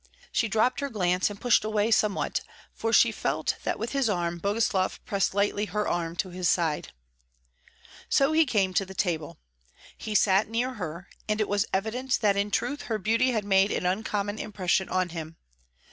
She dropped her glance and pushed away somewhat, for she felt that with his arm Boguslav pressed lightly her arm to his side. So he came to the table. He sat near her, and it was evident that in truth her beauty had made an uncommon impression on him.